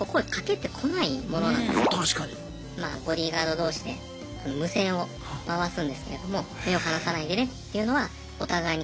まあボディーガード同士で無線を回すんですけれども目を離さないでねっていうのはお互いにコンタクトします。